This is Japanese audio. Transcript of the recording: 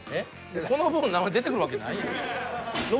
「この部分の名前」で出てくるわけないやん。